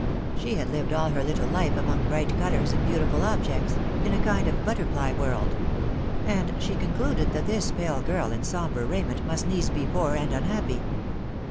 She had lived all her little life among bright colours and beautiful objects, in a kind of butterfly world ; and she concluded that this pale girl in sombre raiment must needs be poor and unhappy.